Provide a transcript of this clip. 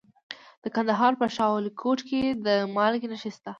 د کندهار په شاه ولیکوټ کې د مالګې نښې شته.